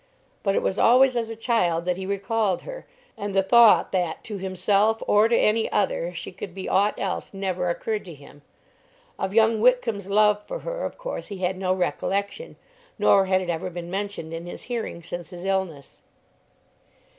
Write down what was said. But it was always as a child that he recalled her, and the thought that to himself, or to any other, she could be aught else never occurred to him. Of young Whitcomb's love for her, of course, he had no recollection, nor had it ever been mentioned in his hearing since his illness.